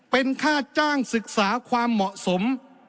เป็นค่าจ้างศึกษาความเหมาะสม